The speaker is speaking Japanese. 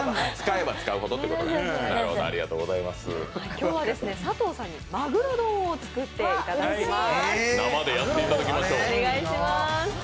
今日は佐藤さんにマグロ丼を作っていただきます。